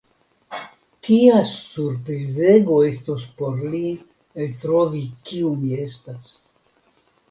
Kia surprizego estos por li eltrovi kiu mi estas!